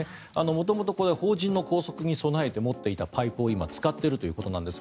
元々、これは邦人の拘束に備えて持っていたパイプを今、使っているということなんです。